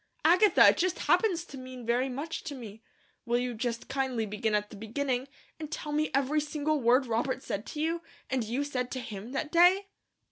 "Agatha, it just happens to mean very much to me. Will you just kindly begin at the beginning, and tell me every single word Robert said to you, and you said to him, that day?"